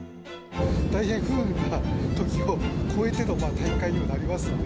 大変不運な時をこえての大会にもなりますんで。